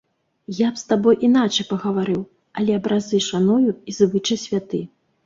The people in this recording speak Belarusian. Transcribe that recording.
Я б з табой іначай пагаварыў, але абразы шаную і звычай святы.